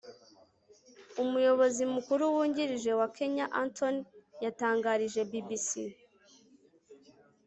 umuyobozi mukuru wungirije wa kenyaantony yatangarije bbc